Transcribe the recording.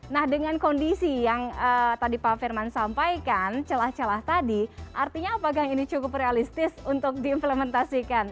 nah dengan kondisi yang tadi pak firman sampaikan celah celah tadi artinya apakah ini cukup realistis untuk diimplementasikan